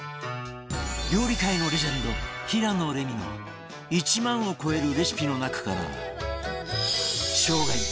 料理界のレジェンド平野レミの１万を超えるレシピの中から生涯名作レシピ